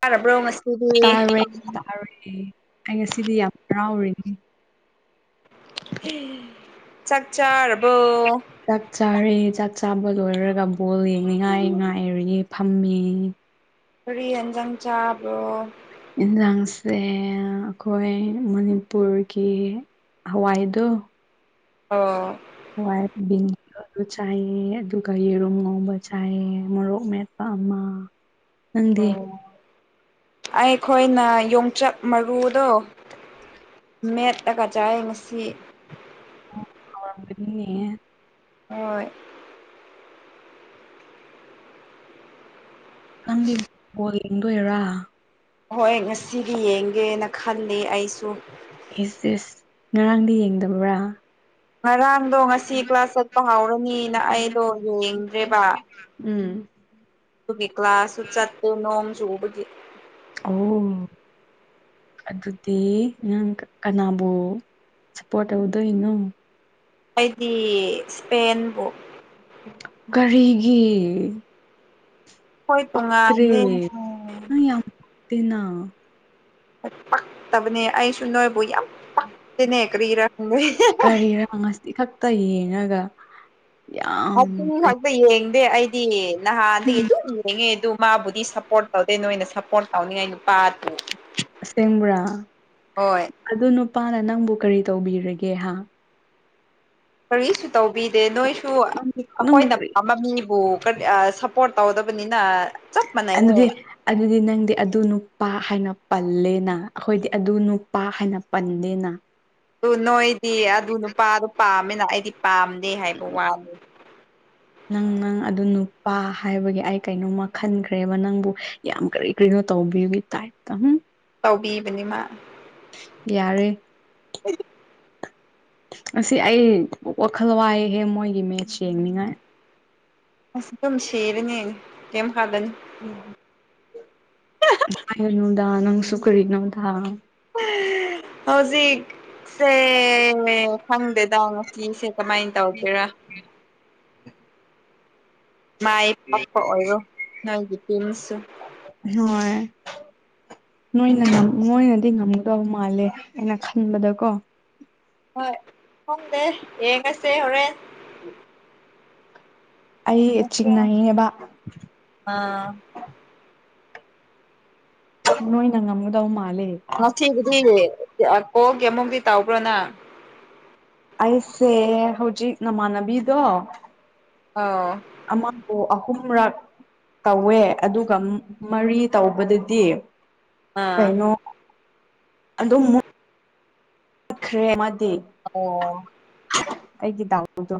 ꯇꯥꯔꯕ꯭ꯔꯣ ꯉꯁꯤꯗꯤ ꯇꯥꯔꯦ [unintelligible] ꯑꯩ ꯉꯁꯤꯗꯤ ꯌꯥꯝ ꯍꯔꯥꯎꯔꯤꯅꯦ ꯆꯥꯛ ꯆꯥꯥꯔꯕꯣ ꯆꯥꯛ ꯆꯥꯔꯦ ꯆꯥꯛ ꯆꯥꯕ ꯂꯣꯏꯔꯒ ꯕꯣꯜ ꯌꯦꯡꯅꯤꯉꯥꯏ ꯉꯥꯏꯔꯤꯌꯦ ꯐꯝꯃꯤ꯫ ꯀꯔꯤ ꯍꯦꯟꯖꯡ ꯆꯥꯕꯔꯣ ꯌꯦꯟꯁꯥꯡꯁꯦ ꯑꯩꯈꯣꯏ ꯃꯅꯤꯄꯨꯔꯒꯤ ꯍꯋꯥꯏꯗꯣ ꯑꯣ ꯋꯥꯏꯠ ꯕꯤꯟ ꯆꯥꯏꯑꯦ ꯑꯗꯨꯒ ꯌꯦꯔꯨꯝ ꯉꯧꯕ ꯆꯥꯏꯌꯦ ꯃꯣꯔꯣꯛ ꯃꯦꯠ ꯑꯃ ꯅꯪꯗꯤ ꯑꯣ ꯑꯩꯈꯣꯏꯅ ꯌꯣꯡꯆꯥꯛ ꯃꯔꯨꯗꯣ ꯃꯦꯠꯂꯒ ꯆꯥꯏꯌꯦ ꯉꯁꯤ ꯑꯣ ꯍꯥꯎꯔꯝꯒꯅꯤꯌꯦ ꯍꯣꯏ ꯅꯪꯗꯤ ꯕꯣꯜ ꯌꯦꯡꯗꯣꯏꯔꯥ ꯍꯣꯏ ꯉꯁꯤꯗꯤ ꯌꯦꯡꯒꯦꯅ ꯈꯜꯂꯤ ꯑꯩꯁꯨ ꯏꯁ ꯏꯁ ꯉꯔꯥꯡꯗꯤ ꯌꯦꯡꯗꯕ꯭ꯔꯥ ꯉꯔꯥꯡꯗꯣ ꯉꯁꯤ ꯀ꯭ꯂꯥꯁ ꯆꯠꯄ ꯍꯧꯔꯅꯤꯅ ꯑꯩꯗꯣ ꯌꯦꯡꯗ꯭ꯔꯦꯕ ꯎꯝ ꯑꯗꯨꯒꯤ ꯀ꯭ꯂꯥꯁꯁꯨ ꯆꯠꯇꯦ ꯅꯣꯡ ꯆꯨꯕꯒꯤ ꯑꯣ ꯑꯗꯨꯗꯤ ꯅꯪ ꯀꯅꯥꯕꯨ ꯁꯥꯞꯄꯣꯔꯠ ꯇꯧꯗꯣꯏꯅꯣ ꯑꯩꯗꯤ ꯏꯁꯄꯦꯟꯕꯨ ꯀꯔꯤꯒꯤ ꯑꯩꯈꯣꯏ ꯇꯣꯉꯥꯟꯗꯦ ꯎꯝ ꯇꯤꯅ ꯄꯛꯇꯕꯅꯦ ꯑꯩꯁꯨ ꯅꯣꯏꯕꯨ ꯌꯥꯝ ꯄꯛꯇꯦꯅꯦ ꯀꯔꯤꯔ [unintelligible] ꯢꯊꯥꯟꯇ ꯌꯦꯡꯉꯑꯒ ꯑꯍꯨꯝ ꯈꯛꯇ ꯌꯦꯡꯗꯦ ꯑꯩꯗꯤ ꯅꯍꯥꯟꯗꯒꯤ ꯑꯗꯨꯝ ꯌꯦꯡꯉꯦ ꯑꯗꯨꯝ ꯃꯥꯕꯨꯗꯤ ꯁꯞꯄꯣꯔꯠ ꯇꯧꯗꯦ ꯅꯣꯏꯅ ꯁꯞꯄꯣꯔꯠ ꯇꯧꯅꯤꯡꯉꯥꯏ ꯅꯨꯄꯥꯗꯨ ꯑꯁꯦꯡꯕ꯭ꯔꯥ ꯍꯣꯏ ꯑꯗꯨ ꯅꯨꯄꯥꯅ ꯅꯪꯕꯨ ꯀꯔꯤ ꯇꯧꯕꯤꯔꯒꯦ ꯍꯥ ꯀꯔꯤꯁꯨ ꯇꯧꯕꯤꯗꯦ ꯅꯣꯏꯁꯨ ꯅꯪꯗꯤ ꯅꯪꯕꯨ ꯑꯩꯈꯣꯏꯅ ꯀꯔꯤ ꯄꯥꯝꯕ ꯃꯤꯕꯨ ꯀꯔꯤ ꯑꯥ ꯁꯞꯄꯣꯔꯠ ꯇꯧꯗꯕꯅꯤꯅ ꯆꯞ ꯃꯥꯟꯅꯩꯌꯦ ꯑꯗꯨꯗꯤ ꯑꯗꯨꯗꯤ ꯅꯪꯗꯤ ꯑꯗꯨ ꯅꯨꯄꯥ ꯍꯥꯏꯅ ꯄꯜꯂꯦꯅ ꯑꯩꯈꯣꯏꯗꯤ ꯑꯗꯨ ꯅꯨꯄꯥ ꯍꯥꯏꯅ ꯄꯜꯗꯦꯅ ꯑꯗꯨ ꯅꯣꯏꯗꯤ ꯑꯗꯨ ꯅꯨꯄꯥꯗꯨ ꯄꯥꯝꯃꯤꯅ ꯑꯩꯗꯤ ꯄꯥꯝꯗꯦ ꯍꯥꯏꯕ ꯋꯥꯅꯦ ꯅꯪ ꯅꯪ ꯑꯗꯨ ꯅꯨꯄꯥ ꯍꯥꯏꯕꯒꯤ ꯑꯩ ꯀꯩꯅꯣꯝꯃ ꯈꯟꯈ꯭ꯔꯦꯕ ꯅꯪꯕꯨ ꯌꯥꯝ ꯀꯔꯤ ꯀꯔꯤꯅꯣ ꯇꯧꯕꯤꯕꯩ ꯇꯥꯏꯞꯇ ꯍꯨꯝ ꯇꯧꯕꯤꯕꯅꯦ ꯃꯥ ꯌꯥꯔꯦ [inaudible] ꯉꯁꯤ ꯑꯩ ꯋꯥꯈꯜ ꯋꯥꯏꯍꯦ ꯃꯣꯏꯒꯤ ꯃꯦꯠꯆ ꯌꯦꯡꯅꯤꯡꯉꯥꯏ ꯑꯁ ꯑꯗꯨꯝ ꯁꯤꯔꯅꯤ ꯀꯩꯝ ꯍꯥꯏꯕꯅꯤ ꯍꯥꯏꯔꯅꯨꯗ ꯅꯪꯁꯨ ꯀꯔꯤꯅꯣꯗ ꯍꯧꯖꯤꯛꯁꯦ ꯈꯪꯗꯦꯗ ꯆꯤꯡꯁꯦ ꯀꯃꯥꯏ ꯇꯧꯒꯦꯔꯥ [inaudible] ꯃꯥꯏ ꯄꯥꯛꯄ ꯑꯣꯏꯔꯣ ꯅꯪꯒꯤ ꯄꯨꯟꯁꯤ ꯍꯣꯏ ꯅꯣꯏꯅ ꯉꯝ ꯃꯣꯏꯅꯗꯤ ꯉꯝꯒꯗꯧꯕ ꯃꯥꯜꯂꯦ ꯑꯩꯅ ꯈꯟꯕꯗꯀꯣ ꯍꯣꯏ ꯈꯪꯗꯦ ꯌꯦꯡꯉꯁꯦ ꯍꯣꯔꯦꯟ [inaudible] ꯑꯩ ꯆꯤꯡꯅꯩꯑꯦꯕ ꯑꯥ ꯅꯣꯏꯅ ꯉꯝꯒꯗꯧ ꯃꯥꯜꯂꯦ ꯉꯁꯤꯒꯤꯗꯤ ꯑ ꯀꯣꯜꯒꯤ ꯑꯃꯨꯝꯗꯤ ꯇꯧꯕ꯭ꯔꯣ ꯅꯪ ꯑꯩꯁꯦ ꯍꯧꯖꯤꯛ ꯅꯃꯥꯟꯅꯕꯤꯗꯣ ꯑꯧ ꯑꯃꯕꯨ ꯑꯍꯨꯝꯔꯛ ꯇꯧꯋꯦ ꯑꯗꯨꯒ ꯃꯔꯤ ꯇꯧꯕꯗꯗꯤ ꯑꯥ ꯀꯩꯅꯣ ꯑꯗꯨꯝꯃꯨꯛ ꯈ꯭ꯔꯦ ꯑꯃꯗꯤ ꯑꯣ ꯑꯩꯒꯤ ꯗꯥꯎꯊꯨꯗꯣ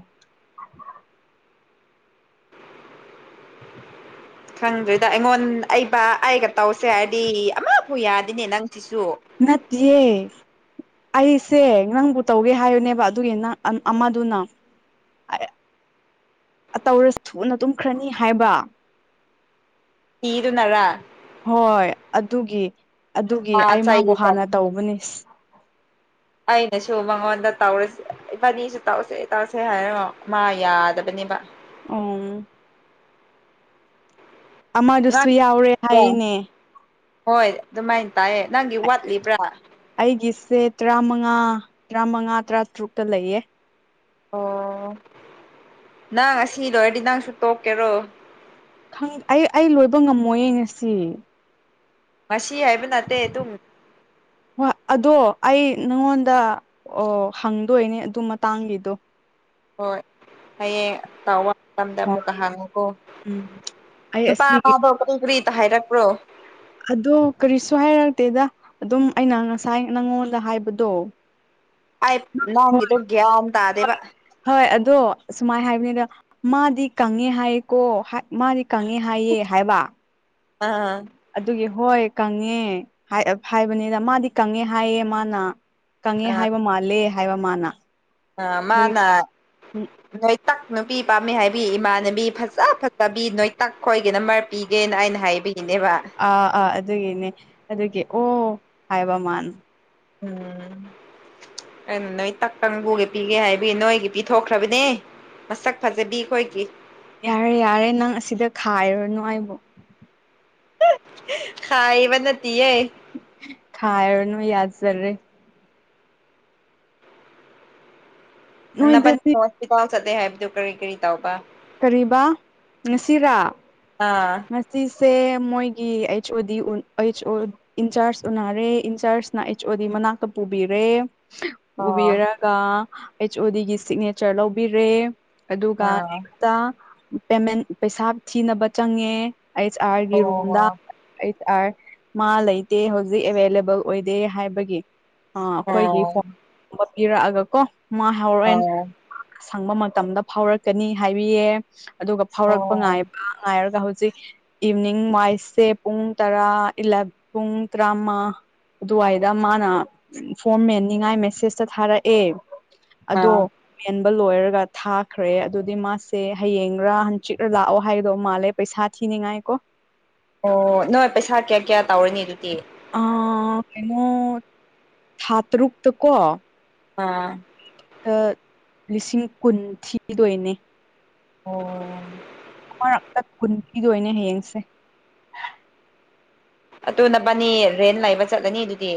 [inaudible] ꯈꯪꯗ꯭ꯔꯦꯗ ꯑꯩꯉꯣꯟ ꯑꯩꯕ ꯑꯩꯒ ꯇꯧꯁꯦ ꯍꯥꯏꯔꯗꯤ ꯑꯃꯐꯨ ꯌꯥꯗꯦꯅꯦ ꯅꯪꯁꯤꯁꯨ ꯅꯠꯇꯤꯌꯦ ꯑꯩꯁꯦ ꯅꯪꯕꯨ ꯇꯧꯒꯦ ꯍꯥꯏꯕꯅꯦꯕ ꯑꯗꯨꯒꯤ ꯅꯪ ꯑꯃꯗꯨꯅ ꯑ ꯇꯧꯔꯁꯨ ꯊꯨꯅ ꯇꯨꯝꯈ꯭ꯔꯅꯤ ꯍꯥꯏꯕ ꯇꯤꯗꯨꯅꯔ ꯍꯣꯏ ꯑꯗꯨꯒꯤ ꯑꯗꯨꯒꯤ ꯑꯥ ꯑꯩ ꯃꯥꯕꯨ ꯆꯩꯒꯦ ꯍꯥꯟꯅ ꯇꯧꯕꯅꯤ ꯑꯩꯅꯁꯨ ꯃꯉꯣꯟꯗ ꯇꯧꯔꯁꯤ ꯏꯕꯥꯅꯤꯁꯨ ꯇꯧꯁꯦ ꯇꯧꯁꯦ ꯍꯥꯏꯔꯒ ꯃꯥ ꯌꯥꯗꯕꯅꯦꯕ ꯑꯣꯝ ꯉꯥ ꯑꯃꯗꯨꯁꯨ ꯌꯥꯎꯔꯦ ꯍꯥꯏꯌꯦꯅꯦ ꯍꯣꯏ ꯑꯗꯨꯃꯥꯏꯅ ꯇꯥꯏꯌꯦ ꯅꯪꯒꯤ ꯋꯥꯠꯂꯤꯕ꯭ꯔꯥ ꯑꯩꯒꯤꯁꯦ ꯇꯔꯥꯃꯉꯥ ꯇꯔꯥꯃꯉꯥ ꯇꯔꯥꯇꯔꯨꯛꯇ ꯂꯩꯌꯦ ꯑꯣ ꯅꯪ ꯑꯁꯤ ꯂꯣꯏꯔꯗꯤ ꯅꯪꯁꯨ ꯇꯣꯛꯀꯦꯔꯣ ꯈꯪ ꯑꯩ ꯑꯩ ꯂꯣꯏꯕ ꯉꯝꯃꯣꯏꯌꯦ ꯉꯁꯤ ꯉꯁꯤ ꯍꯥꯏꯕ ꯅꯠꯇꯦ ꯑꯗꯨꯨꯝ ꯋꯥ ꯑꯗꯣ ꯑꯩ ꯅꯪꯉꯣꯟꯗ ꯑꯣ ꯍꯪꯗꯣꯏꯅꯦ ꯑꯗꯨ ꯃꯇꯥꯡꯒꯤꯗꯣ ꯍꯣꯏ ꯍꯌꯦꯡ ꯇꯧꯋꯥ ꯃꯇꯝꯗ ꯍꯣꯏ ꯑꯃꯨꯛꯀ ꯍꯪꯉꯨꯀꯣ ꯎꯝ ꯑꯩ ꯅꯨꯄꯥ ꯑꯁꯤꯒꯤ ꯐꯥꯕꯧ ꯀꯔꯤ ꯀꯔꯤꯇ ꯍꯥꯏꯔꯛꯄ꯭ꯔꯣ ꯑꯗꯣ ꯀꯔꯤꯁꯨ ꯍꯥꯏꯔꯛꯇꯦꯗ ꯑꯗꯨꯝ ꯑꯩꯅ ꯉꯁꯥꯏ ꯅꯪꯉꯣꯟꯗ ꯍꯥꯏꯕꯗꯣ [inaudible] ꯑꯩ ꯅꯪꯒꯤꯗꯣ ꯒ꯭ꯌꯥꯟ ꯇꯥꯗꯦꯕ ꯍꯣꯢ ꯑꯗꯣ ꯁꯨꯃꯥꯢ ꯍꯥꯢꯕꯅꯤꯗ ꯃꯥꯗꯤ ꯀꯪꯉꯦ ꯍꯥꯏꯌꯦꯀꯣ ꯃꯥꯗꯤ ꯀꯪꯉꯦ ꯍꯥꯏꯌꯦ ꯍꯥꯏꯕ ꯑꯥ ꯑꯗꯨꯒꯤ ꯍꯣꯏ ꯀꯪꯉꯦ ꯍꯥꯏꯕꯅꯤꯅ ꯃꯥꯗꯤ ꯀꯪꯉꯦ ꯍꯥꯏꯌꯦ ꯃꯥꯅ ꯀꯪꯉꯦ ꯍꯥꯏꯕ ꯃꯥꯜꯂꯦ ꯍꯥꯏꯕ ꯃꯥꯅ ꯑ ꯑꯗꯨꯒꯤ ꯃꯥꯅ [unintelligible] ꯅꯣꯏꯇꯥꯛ ꯅꯨꯄꯤ ꯄꯥꯝꯕꯤ ꯍꯥꯏꯕꯤ ꯏꯃꯥꯟꯅꯕꯤ ꯐꯖ ꯐꯖꯕꯤ ꯅꯣꯏꯇꯥꯛ ꯈꯣꯏꯒꯤꯅ ꯅꯥꯝꯕꯥꯔ ꯄꯤꯒꯦꯅ ꯑꯩꯅ ꯍꯥꯏꯕꯒꯤꯅꯦꯕ ꯑꯥ ꯑꯥ ꯑꯗꯨꯒꯤꯅꯦ ꯑꯗꯨꯒꯤ ꯑꯣ ꯍꯥꯏꯕ ꯃꯥꯅ ꯎꯝ ꯀꯩꯅꯣ ꯅꯣꯏ ꯇꯛꯀꯪꯕꯨꯒ ꯄꯤꯒꯦ ꯍꯥꯏꯕꯤ ꯅꯣꯏꯒꯤ ꯄꯤꯊꯣꯛꯈ꯭ꯔꯕꯅꯦ ꯃꯁꯛ ꯐꯖꯕꯤ ꯈꯣꯏꯒꯤ ꯌꯥꯔꯦ ꯌꯥꯔꯦ ꯅꯪ ꯑꯁꯤꯗ ꯈꯥꯏꯔꯅꯨ ꯑꯩꯕꯨ ꯈꯥꯢꯕ ꯅꯠꯇꯦꯌꯦ ꯈꯥꯢꯔꯅꯨ ꯌꯥꯖꯔꯦ ꯅꯕꯥꯅꯤ ꯅꯣꯏꯗꯗꯤ ꯍꯣꯁꯕꯤꯇꯥꯜ ꯆꯠꯂꯦ ꯍꯥꯢꯗꯣ ꯀꯔꯤ ꯀꯔꯤ ꯇꯥꯎ ꯄ ꯀꯔꯤꯕ ꯉꯁꯤꯔꯥ ꯑꯥ ꯉꯁꯤꯁꯦ ꯃꯣꯏꯒꯤ H O D H O in-charge ꯎꯅꯔꯦ ꯏꯟꯆꯥꯔꯖꯅ ꯑꯩꯆ ꯑꯣ ꯗꯤ ꯃꯅꯥꯛꯇ ꯄꯨꯕꯤꯔꯦ ꯑꯣ ꯄꯨꯕꯤꯔꯒ ꯑꯩꯆ ꯑꯣ ꯗꯤꯒꯤ ꯁꯤꯛꯅꯦꯆꯔ ꯂꯧꯕꯤꯔꯦ ꯑꯗꯨꯒ ꯑꯥ ꯄꯨꯁꯥ ꯄꯦꯃꯦꯟ ꯄꯩꯁꯥ ꯊꯤꯅꯕ ꯆꯪꯉꯦ ꯑꯩꯆ ꯑꯥꯔꯒꯤ ꯑꯣ ꯔꯨꯝꯗ ꯑꯩꯁ ꯑꯥꯔ ꯃꯥ ꯂꯩꯇꯦ ꯍꯧꯖꯤꯛ ꯑꯦꯚꯏꯂꯦꯕꯜ ꯑꯣꯏꯗꯦ ꯍꯥꯏꯕꯒꯤ ꯑꯥ ꯑꯣ ꯑꯩꯈꯣꯏꯒꯤ ꯐꯣꯟꯕ ꯄꯤꯔꯛꯑꯒ ꯀꯣ ꯃꯥ ꯍꯣꯔꯦꯟ ꯑꯣ ꯁꯪꯕ ꯃꯇꯝꯗ ꯐꯥꯎꯔꯛꯀꯅꯤ ꯍꯥꯏꯕꯤꯌꯦ ꯑꯗꯨꯒ ꯐꯥꯎꯔꯛꯄ ꯑꯣ ꯉꯥꯏꯕ ꯉꯥꯏꯔꯒ ꯍꯧꯖꯤꯛ ꯏꯚꯅꯤꯡ ꯋꯥꯏꯁꯁꯦ ꯄꯨꯡ ꯇꯔꯥꯂ ꯄꯨꯡ ꯇꯔꯥꯃꯉꯥ ꯑꯗꯨꯋꯥꯏꯗ ꯃꯥꯅ ꯐꯣꯔ ꯃꯦꯟꯅꯤꯉꯥꯏ ꯃꯦꯁꯦꯁꯇ ꯊꯥꯔꯛꯑꯦ ꯑꯗꯣ ꯑꯥ ꯃꯦꯟꯕ ꯂꯣꯏꯔꯒ ꯊꯥꯈ꯭ꯔꯦ ꯑꯗꯨꯗꯤ ꯃꯥꯁꯦ ꯍꯌꯦꯡꯒꯔ ꯍꯪꯆꯤꯛꯔ ꯂꯥꯛꯑꯣ ꯍꯥꯏꯗꯣ ꯃꯥꯜꯂꯦ ꯄꯩꯁꯥ ꯊꯤꯅꯤꯡꯉꯥꯏ ꯀꯣ ꯑꯣ ꯅꯣꯏ ꯄꯩꯁꯥ ꯀꯌꯥ ꯀꯌꯥ ꯇꯧꯔꯅꯤ ꯑꯗꯨꯗꯤ ꯑꯥ ꯀꯩꯅꯣ ꯊꯥꯇꯔꯨꯛꯇꯀꯣ ꯑꯥ ꯂꯤꯁꯤꯡ ꯀꯨꯟ ꯊꯤꯗꯣꯏꯅꯦ ꯑꯣ ꯑꯃꯔꯛꯇ ꯀꯨꯟ ꯄꯤꯗꯣꯏꯅꯦ ꯍꯌꯦꯡꯁꯦ ꯑꯗꯨ ꯅꯥꯕꯅꯤ ꯔꯦꯟ ꯂꯩꯕ ꯆꯠꯂꯅꯤ ꯑꯗꯨꯗꯤ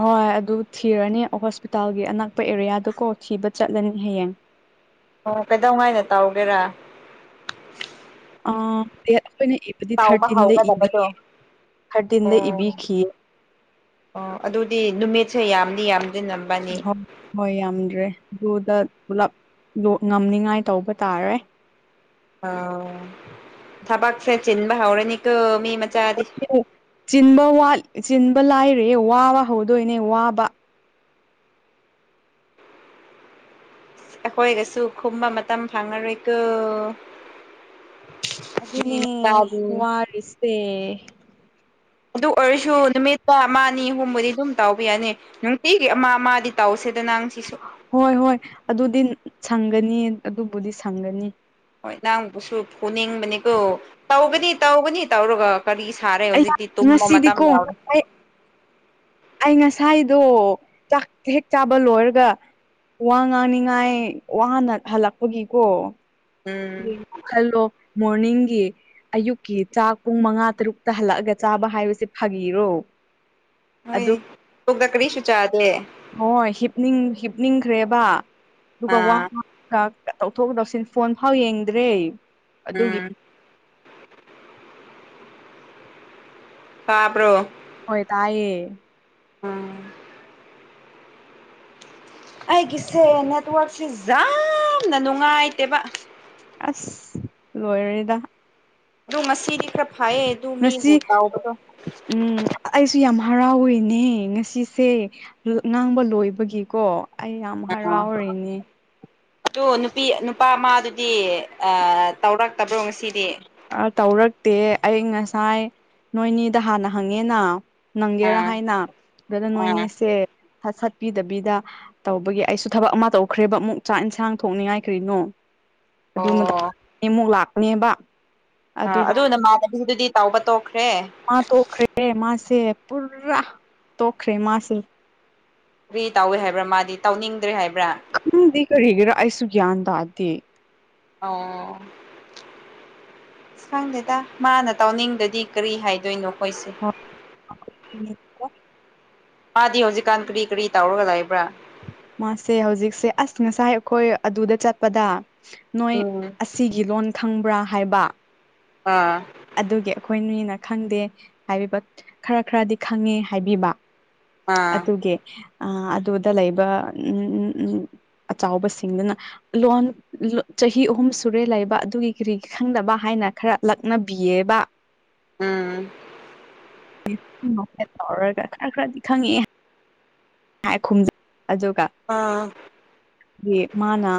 ꯍꯣꯏ ꯑꯗꯨ ꯊꯤꯔꯅꯤ ꯍꯣꯁꯄꯤꯇꯥꯜꯒꯤ ꯑꯅꯛꯄ ꯑꯦꯔꯤꯌꯥꯗꯨꯀꯣ ꯊꯤꯕ ꯆꯠꯂꯅꯤ ꯍꯌꯦꯡ ꯑꯣ ꯀꯩꯗꯧꯉꯩꯒ ꯇꯧꯒꯦꯔꯥ ꯑꯥ ꯗꯦꯠ ꯑꯩꯈꯣꯏꯅ ꯏꯕꯗꯤ ꯇꯥꯎꯕ ꯊꯥꯔꯇꯤꯟꯗ ꯍꯧꯒꯗꯕꯗꯣ ꯏꯕꯤꯌꯦ ꯊꯥꯔꯇꯤꯟꯗ ꯑꯣ ꯏꯕꯤꯈꯤꯌꯦ ꯑꯣ ꯑꯗꯨꯗꯤ ꯅꯨꯃꯤꯠꯁꯦ ꯌꯥꯝꯗꯤ ꯌꯥꯝꯗꯦ ꯅꯕꯥꯅꯤ ꯍꯣꯏ ꯍꯣꯏ ꯌꯥꯝꯗ꯭ꯔꯦ ꯑꯗꯨꯗ ꯄꯨꯂꯞ ꯉꯝꯅꯤꯉꯥꯏ ꯇꯧꯕ ꯇꯥꯔꯦ ꯑ ꯊꯕꯛꯁꯦ ꯆꯤꯟꯕ ꯍꯧꯔꯅꯤꯀꯣ ꯃꯤ ꯃꯆꯥꯗꯤ ꯆꯤꯟꯕ ꯋꯥꯠ ꯆꯤꯟꯕ ꯂꯥꯏꯔꯤꯌ‌ꯦ ꯋꯥꯕ ꯍꯧꯗꯣꯏꯅꯦ ꯋꯥꯕ ꯑꯩꯈꯣꯏꯒꯁꯨ ꯈꯨꯝꯕ ꯃꯇꯝ ꯐꯪꯉꯔꯣꯏꯀ‌ꯣ ꯑꯗꯨꯅꯦ ꯋꯥꯔꯤꯁꯦ ꯑꯗꯨ ꯑꯣꯏꯔꯁꯨ ꯅꯨꯃꯤꯠꯇ ꯑꯃꯥ ꯑꯅꯤ ꯑꯍꯨꯝꯕꯨꯗꯤ ꯑꯗꯨꯝ ꯇꯥꯎꯕ ꯌꯥꯅꯤ ꯅꯨꯡꯇꯤꯒꯤ ꯑꯃꯥ ꯑꯃꯥꯗꯤ ꯇꯥꯎꯁꯦꯗ ꯅꯪ ꯁꯤꯁꯨ ꯍꯣꯏ ꯍꯣꯏ ꯑꯗꯨꯗꯤ ꯁꯪꯒꯅꯤ ꯑꯗꯨꯕꯨꯗꯤ ꯁꯪꯒꯅꯤ ꯍꯣꯏ ꯅꯪꯕꯨꯁꯨ ꯐꯨꯅꯤꯡꯕꯅꯤꯀꯣ ꯇꯧꯒꯅꯤ ꯇꯧꯒꯅꯤ ꯇꯧꯔꯒ ꯀꯔꯤ ꯁꯥꯔꯦ ꯑꯩ ꯍꯧꯖꯤꯛꯇꯤ ꯇꯨꯝꯕ ꯃꯇꯝ ꯉꯁꯤꯗꯤꯀꯣ ꯌꯥꯎꯔꯦ ꯉꯁꯥꯏ ꯑꯩ ꯉꯁꯥꯏꯗꯣ ꯆꯥꯛ ꯍꯦꯛ ꯆꯥꯕ ꯂꯣꯏꯔꯒ ꯋꯥ ꯉꯥꯡꯅꯤꯡꯉꯥꯏ ꯋꯥꯅ ꯍꯜꯂꯛꯄꯒꯤꯀꯣ ꯎꯝ ꯍꯜꯂꯣ ꯃꯣꯔꯅꯤꯡꯒꯤ ꯑꯌꯨꯛꯀꯤ ꯆꯥꯛ ꯄꯨꯡ ꯃꯉꯥ ꯇꯔꯨꯛꯇ ꯍꯜꯂꯛꯑꯒ ꯆꯥꯕ ꯍꯥꯏꯕꯁ‌ꯦ ꯐꯥꯒꯤꯔꯣ ꯍꯣꯏ ꯑꯗꯨ ꯇꯨꯒ ꯀꯔꯤꯁꯨꯨ ꯆꯥꯗ ꯍ‌ꯣꯏ ꯍꯤꯞꯅꯤꯡ ꯍꯤꯞꯅꯤꯡꯈ꯭ꯔꯦꯕ ꯑꯗꯨꯒ ꯋꯥ ꯑꯥ ꯉꯥꯡ ꯀꯥꯛ ꯀ ꯇꯧꯊꯣꯛ ꯇꯧꯁꯤꯟ ꯐꯣꯟ ꯐꯥꯎ ꯌꯦꯡꯗ꯭ꯔꯦ ꯑꯗꯨꯒꯤ ꯎꯝ ꯍꯥꯥꯕ꯭ꯔꯣ ꯍꯣꯏ ꯇꯥꯏꯌꯦ ꯑꯥ ꯑꯩꯒꯤꯁꯦ ꯅꯦꯠꯋꯔꯛꯁꯦ ꯖꯥꯝꯅ ꯅꯨꯡꯉꯥꯏꯇꯦꯕ ꯑꯁ ꯂꯣꯏꯔ‌ꯦꯗ ꯗꯨ ꯉꯁꯤꯗꯤ ꯈꯔ ꯐꯩꯌ‌ꯦ ꯗꯨ ꯃꯤ ꯉꯁꯤ ꯕꯨ ꯍꯧꯕꯗ‌ꯣ ꯎꯝ ꯑꯩꯁꯨ ꯌꯥꯝ ꯍꯔꯥꯎꯋꯤꯅꯦ ꯉꯁꯤꯁꯦ ꯉꯥꯡꯕ ꯂꯣꯏꯕꯒꯤꯀꯣ ꯑꯩ ꯌꯥꯝ ꯑꯥ ꯍꯔꯥꯎꯔꯤꯅꯦ ꯑꯗꯨ ꯅꯨꯄꯤ ꯅꯨꯄꯥ ꯃꯗꯨꯗꯤ ꯑꯥ ꯇꯧꯔꯛꯇꯕ꯭ꯔꯣ ꯉꯁꯤꯗꯤ ꯑꯥ ꯇꯧꯔꯛꯇꯦ ꯑꯩ ꯉꯁꯥꯏ ꯅꯣꯏꯅꯤꯗ ꯍꯥꯟꯅ ꯍꯪꯉꯦꯅ ꯅꯪꯒꯦꯔꯥ ꯑꯥ ꯍꯥꯏꯅ ꯑꯗꯨꯗ ꯑꯥ ꯅꯣꯏꯅꯤꯁꯦ ꯁ ꯁꯠꯄꯤꯗꯕꯤꯗ ꯇꯧꯕꯒꯤ ꯑꯩꯁꯨ ꯊꯕꯛ ꯑꯃ ꯇꯧꯈ꯭ꯔꯦꯕ ꯑꯃꯨꯛ ꯆꯥꯛ ꯏꯟꯁꯥꯡ ꯊꯣꯛꯅꯤꯡꯉꯥꯏ ꯀ꯭ꯔꯤꯅꯣ ꯑꯗꯨ ꯃꯇ ꯑꯣ [unintelligible] ꯑꯃꯨꯛ ꯂꯥꯛꯄꯅꯦꯕ ꯑ ꯑꯗꯨꯒ ꯑꯗꯨ ꯅꯃꯥꯟꯅꯕꯤꯗꯨꯗꯤ ꯇꯥꯎꯕ ꯇꯣꯛꯈ꯭ꯔꯦ ꯃꯥ ꯇꯣꯛꯈ꯭ꯔꯦ ꯃꯥꯁꯦ ꯄꯨꯔꯥ ꯇꯣꯛꯈ꯭ꯔꯦ ꯃꯥꯁꯦ ꯀꯔꯤ ꯇꯧꯋꯦ ꯍꯥꯏꯕ꯭ꯔꯥ ꯃꯥꯗꯤ ꯇꯧꯅꯤꯡꯗ꯭ꯔꯦ ꯍꯥꯏꯕ꯭ꯔꯥ ꯈꯪꯗꯦ ꯀꯔꯤꯒꯤꯔ ꯑꯩꯁꯨ ꯒ꯭ꯌꯥꯟ ꯇꯥꯗꯦ ꯑꯣ ꯈꯪꯗꯦꯗ ꯃꯥꯅ ꯇꯧꯅꯤꯡꯗꯗꯤ ꯀꯔꯤ ꯍꯥꯏꯗꯣꯏꯅꯣ ꯈꯣꯏꯁꯦ [unintelligible] ꯃꯥꯗꯤ ꯍꯧꯖꯤꯛꯀꯥꯟ ꯀꯔꯤ ꯀꯔꯤ ꯇꯧꯔꯒ ꯂꯩꯕ꯭ꯔꯥ ꯃꯥꯁꯦ ꯍꯧꯖꯤꯛꯁꯦ ꯑꯁ ꯉꯁꯥꯏ ꯑꯩꯈꯣꯏ ꯑꯗꯨꯗ ꯆꯠꯄꯗ ꯅꯣꯏ ꯎꯝ ꯑꯁ ꯁꯤꯒꯤ ꯂꯣꯟ ꯈꯪꯕ꯭ꯔ ꯍꯥꯏꯕ ꯑꯥ ꯑꯗꯨꯒꯤ ꯑꯈꯣꯏ ꯑꯅꯤꯅ ꯈꯪꯗꯦ ꯍꯥꯏꯕꯤꯕ ꯈꯔ ꯈꯔꯗꯤ ꯈꯪꯉꯦ ꯍꯥꯏꯕꯤꯕ ꯑꯥ ꯑꯗꯨꯒꯤ ꯑ ꯑꯗꯨꯗ ꯂꯩꯕ ꯎꯝ ꯎꯝ ꯎꯝ ꯑꯆꯥꯎꯕꯁꯤꯡꯗꯨꯅ ꯂꯣꯟ ꯆꯍꯤ ꯑꯍꯨꯝ ꯁꯨꯔꯦ ꯂꯩꯕ ꯑꯗꯨꯒꯤ ꯀꯔꯤꯒꯤ ꯈꯪꯗꯕ ꯍꯥꯏꯅ ꯈꯔ ꯂꯛ [unintelligible] ꯎꯝ꯫ [unintelligible] ꯇꯧꯔꯒ ꯈꯔ ꯈꯔꯗꯤ ꯈꯪꯉꯛꯑꯦ [unintelligible] ꯑꯗꯨꯒ ꯑꯥ꯫ ꯑꯗꯨꯒꯤ ꯃꯥꯅ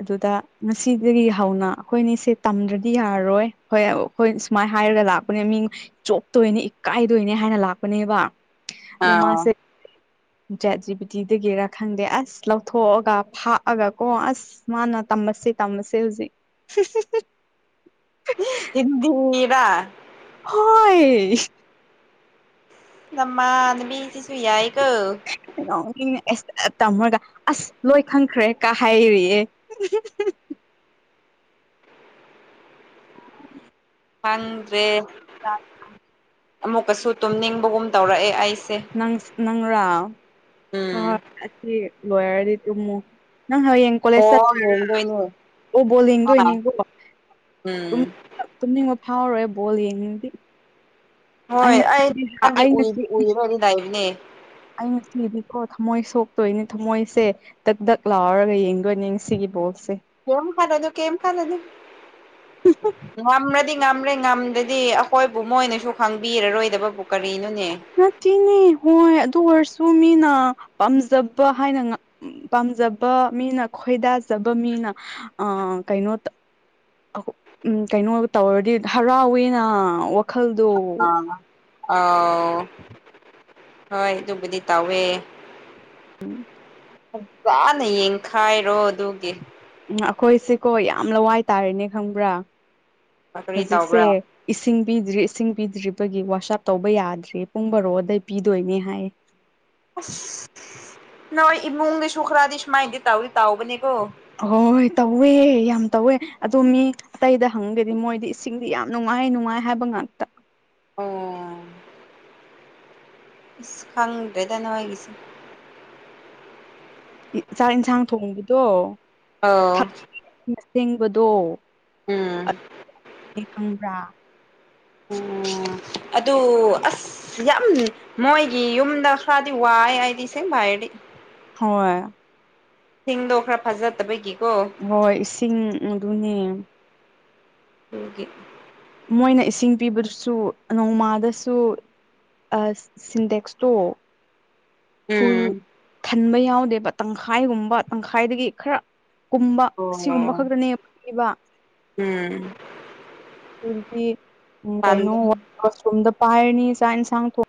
ꯑꯗꯨꯗ ꯉꯁꯤꯗꯒꯤ ꯍꯧꯅ ꯑꯩꯈꯣꯏꯅꯤꯁꯦ ꯇꯝꯗ꯭ꯔꯗꯤ ꯌꯥꯔꯣꯏ꯫ ꯍꯣꯏ ꯍꯣꯏ ꯁꯨꯃꯥꯏ ꯍꯥꯏꯔꯒ ꯂꯥꯛꯄꯅꯦ ꯃꯤ ꯆꯣꯞꯇꯣꯏꯅꯦ ꯏꯀꯥꯏꯗꯣꯏꯅꯦ ꯍꯥꯏꯅ ꯂꯥꯛꯄꯅꯦꯕ꯫ ꯑꯗꯣ ꯑꯥ ꯃꯥꯁꯦ ꯆꯦꯠꯖꯤꯕꯤꯗꯤ ꯗꯒꯤꯔꯥ ꯈꯪꯗꯦ ꯑꯁ ꯂꯧꯊꯣꯛꯑꯒ ꯐꯥꯛꯑꯒ ꯀꯣ ꯑꯁ ꯃꯥꯅ ꯇꯝꯕꯁꯦ ꯇꯝꯕꯁꯦ ꯍꯧꯖꯤꯛ꯫ ꯍꯤꯟꯗꯤꯔ꯫ ꯍꯣꯏ꯫ ꯅꯃꯥꯟꯅꯕꯤ ꯁꯤꯁꯨ ꯌꯥꯏꯀꯣ꯫ [unintelligible] ꯇꯥꯃꯣꯗ ꯑꯁ ꯂꯣꯏ ꯈꯪꯈ꯭ꯔꯦ ꯀꯥ ꯍꯥꯏꯔꯤꯌꯦ [unintelligible] ꯈꯪꯗ꯭ꯔꯦ꯫ [unintelligible] ꯑꯃꯨꯛꯀꯁꯨ ꯇꯨꯝꯅꯤꯡꯕꯒꯨꯝ ꯇꯧꯔꯛꯑꯦ ꯑꯩ ꯅꯪ ꯅꯪꯔꯣ ꯎꯝ [unintelligible] ꯑꯁꯤ ꯂꯣꯏꯔꯗꯤ ꯇꯨꯝꯃꯨ ꯅꯪ ꯍꯌꯦꯡ꯫ ꯀꯣꯂꯦꯖ ꯑꯣ ꯆꯠꯇꯣꯏꯔꯣ ꯌꯦꯡꯗꯣꯏꯅꯦ ꯑꯣ ꯕꯣꯜ ꯑꯥ ꯌꯦꯡꯗꯣꯏꯅꯤꯀꯣ ꯎꯝ ꯫ ꯇꯨꯝꯅꯤꯡꯕ ꯐꯥꯎꯔꯣꯏ ꯕꯣꯜ ꯌꯦꯡꯅꯤꯡꯗꯦ꯫ ꯍꯣꯏ ꯑꯩ ꯑꯩ [unintelligible] ꯎꯏꯗꯤ [unintelligible] ꯂꯩꯕꯅꯦ ꯑꯩꯅ ꯉꯁꯤꯗꯤꯀꯣ ꯊꯝꯃꯣꯏ ꯁꯣꯛꯇꯣꯏꯅꯦ ꯊꯝꯃꯣꯏꯁꯦ꯫ ꯗꯛ ꯗꯛ ꯂꯥꯎꯔꯒ ꯌꯦꯡꯗꯣꯏꯅꯤ ꯉꯁꯤꯒꯤ ꯕꯣꯜꯁꯦ꯫ [unintelligible] [unintelligible] [unintelligible] [unintelligible] [unintelligible] [unintelligible] ꯉꯝꯂꯗꯤ ꯉꯝꯂꯦ ꯉꯝꯗ꯭ꯔꯗꯤ ꯑꯩꯈꯣꯏꯕꯨ ꯃꯣꯏꯅꯁꯨ ꯈꯪꯕꯤꯔꯔꯣꯏꯗꯕꯕꯨ ꯀꯔꯤꯅꯣꯅꯦ꯫ ꯅꯠꯇꯦꯅꯦ ꯍꯣꯏ ꯑꯗꯨ ꯑꯣꯏꯔꯁꯨ ꯃꯤꯅ ꯄꯥꯝꯖꯕ ꯍꯥꯏꯅ ꯄꯥꯝꯖꯕ ꯃꯤꯅ ꯈꯣꯏꯗꯥꯖꯕ ꯃꯤꯅ ꯑꯥ ꯀꯩꯅꯣ ꯎꯝ ꯀꯩꯅꯣ ꯇꯧꯔꯗꯤ ꯍꯔꯥꯎꯋꯤꯅ [unintelligible] ꯍꯣꯏ ꯑꯗꯨꯕꯨꯗꯤ ꯇꯧꯋꯦ ꯐꯖꯅ ꯌꯦꯡꯈꯥꯏꯔꯣ ꯑꯗꯨꯒꯤ꯫ ꯎꯝ ꯑꯈꯣꯏꯁꯦꯀꯣ ꯌꯥꯝ ꯂꯋꯥꯏ ꯇꯥꯔꯤꯅꯦ ꯈꯪꯕ꯭ꯔꯥ ꯀꯔꯤ ꯍꯧꯖꯤꯛꯁꯦ ꯇꯧꯕ꯭ꯔꯥ ꯏꯁꯤꯡ ꯄꯤꯗ꯭ꯔꯤ ꯏꯁꯤꯡ ꯄꯤꯗ꯭ꯔꯤꯕꯒꯤ ꯋꯥꯁ ꯑꯞ ꯇꯧꯕ ꯌꯥꯗ꯭ꯔꯤ ꯄꯨꯡ ꯕꯔꯣꯗꯩ ꯄꯤꯗꯣꯏꯅꯦ ꯍꯥꯏ ꯑꯁ ꯅꯣꯏ ꯏꯃꯨꯡꯒꯤꯁꯨ ꯈꯔꯗꯤ ꯁꯨꯃꯥꯏꯟꯗꯤ ꯇꯥꯎꯗꯤ ꯇꯥꯎꯕꯅꯦꯀꯣ ꯍꯣꯏ ꯇꯧꯋꯦ ꯌꯥꯝ ꯇꯧꯋꯦ ꯑꯗꯣ ꯃꯤ ꯑꯇꯩꯗ ꯍꯪꯒꯗꯤ ꯃꯣꯏꯗꯤ ꯏꯁꯤꯡꯗꯤ ꯌꯥꯝ ꯅꯨꯡꯉꯥꯏ ꯅꯨꯡꯉꯥꯏ ꯍꯥꯏꯕ ꯉꯥꯛꯇ ꯑ‌ꯣ ꯈꯪꯗ‌ꯦꯗ ꯅꯣꯏꯒꯤꯁꯤ ꯆꯥꯛ ꯏꯟꯁꯥꯡ ꯊꯣꯡꯕꯗꯣ ꯑꯣ ꯇꯤꯡꯕꯗꯣ ꯎꯝ ꯑꯩ ꯈꯪꯕ꯭ꯔꯥ ꯎꯝ ꯑꯗꯨ ꯑꯁ ꯌꯥꯝ ꯃꯣꯏꯒꯤ ꯌꯨꯝꯗ ꯈ꯭ꯔꯗꯤ ꯋꯥꯏ ꯍꯥꯏꯗꯤ ꯏꯁꯦꯡꯕ ꯍꯥꯏꯔꯗꯤ ꯍꯣꯏ ꯍꯤꯡꯗꯣ ꯈ꯭ꯔ ꯐꯖꯗꯕꯒꯤꯀꯣ ꯍꯣꯏ ꯏꯁꯤꯡ ꯑꯗꯨꯅꯦ ꯑꯗꯨꯒꯤ ꯃꯣꯏꯅ ꯏꯁꯤꯡ ꯄꯤꯕꯗꯨꯁꯨ ꯅꯣꯡꯃꯥꯗꯁꯨ ꯑꯁ ꯁꯤꯟꯗꯦꯛꯁꯇꯣ ꯐꯨꯜ ꯎꯝ ꯊꯟꯕ ꯌꯥꯎꯗꯦꯕ ꯇꯪꯈꯥꯏꯒꯨꯝꯕ ꯇꯪꯈꯥꯏꯗꯒꯤ ꯈꯔ ꯀꯨꯝꯕ ꯁꯤꯒꯨꯝꯕ ꯑꯣ ꯈꯛꯇꯅꯦ ꯄꯤꯕ ꯎꯝ ꯑꯗꯨꯗꯤ ꯎꯝ ꯀꯩꯅꯣ ꯄꯥꯟꯗꯝ ꯋꯥꯁꯔꯨꯝꯗ ꯄꯥꯏꯔꯅꯤ ꯆꯥꯛ ꯏꯟꯁꯥꯡ ꯊꯣꯡ